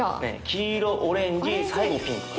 黄色オレンジ最後ピンクかな。